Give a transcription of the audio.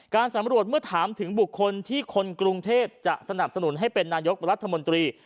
สำรวจเมื่อถามถึงบุคคลที่คนกรุงเทพจะสนับสนุนให้เป็นนายกรัฐมนตรี